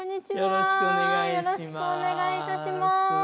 よろしくお願いします。